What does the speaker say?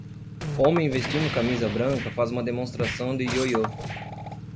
Homem vestindo camisa branca faz uma demonstração de yoyo.